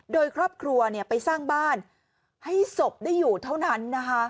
โดยครอบครัวไปสร้างบ้านให้ศพได้อยู่เท่านั้นนะคะ